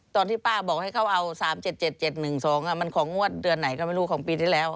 ตอนที่ป้าบอกให้เขาเอา๓๗๗๑๒มันของงวดเดือนไหนก็ไม่รู้ของปีที่แล้ว